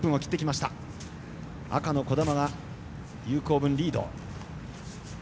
赤の児玉が有効分、リード。